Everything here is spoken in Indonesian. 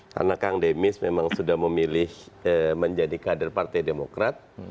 karena kang demis memang sudah memilih menjadi kader partai demokrat